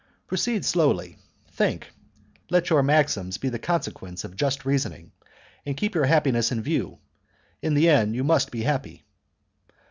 Proceed slowly, think; let your maxims be the consequence of just reasoning, and keep your happiness in view; in the end you must be happy."